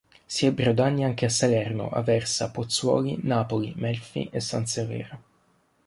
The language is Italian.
Si ebbero danni anche a Salerno, Aversa, Pozzuoli, Napoli, Melfi e San Severo.